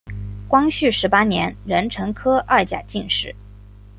光绪十八年壬辰科二甲进士。